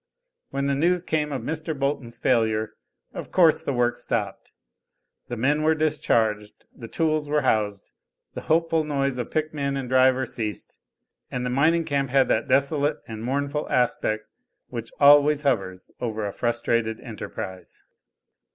When the news came of Mr. Bolton's failure, of course the work stopped. The men were discharged, the tools were housed, the hopeful noise of pickman and driver ceased, and the mining camp had that desolate and mournful aspect which always hovers over a frustrated enterprise.